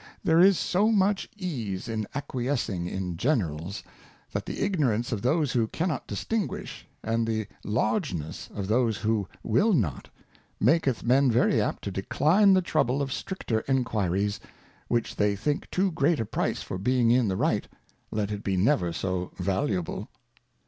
There is so much ease in ac quiescing in Generals, that the Ignorance of those who cannot distinguish, and the Largeness of those who will not, maketh Men very apt to decline the trouble of stricter Enquiries, which they think too great a price for being in the right, let it be never so valuable.